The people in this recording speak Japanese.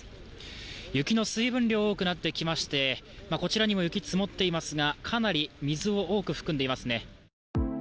雪の水分量が多くなってきまして、こちらにも雪が積もっていますが、かなり水を多く含んでいますね。